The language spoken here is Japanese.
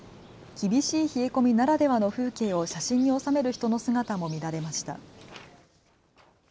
厳しい冷え込みならではの風景を写真に収める人の姿も見られました。